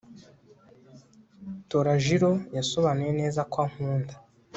Torajiro yasobanuye neza ko ankunda